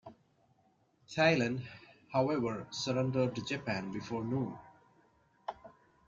Thailand, however, surrendered to Japan before noon.